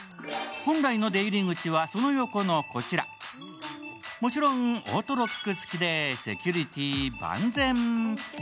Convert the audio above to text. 本来の出入り口は、その横のこちらもちろんオートロック付きでセキュリティー万全。